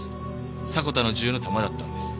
迫田の銃の弾だったんです。